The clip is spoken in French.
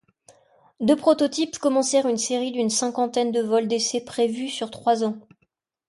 Deux prototypes commencèrent une série d'une cinquantaine de vols d'essais prévus sur trois ans.